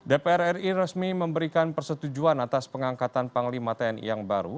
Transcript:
dpr ri resmi memberikan persetujuan atas pengangkatan panglima tni yang baru